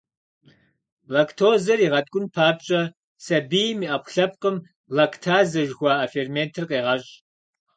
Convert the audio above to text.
Лактозэр игъэткӀун папщӀэ, сабийм и Ӏэпкълъэпкъым лактазэ жыхуаӀэ ферментыр къегъэщӀ.